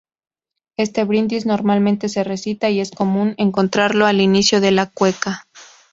Este "brindis" normalmente se recita y es común encontrarlo al inicio de la cueca.